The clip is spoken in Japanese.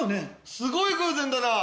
すごい偶然だなぁ！